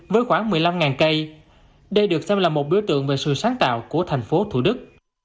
với khoảng một mươi năm cây đây được xem là một biểu tượng về sự sáng tạo của thành phố thủ đức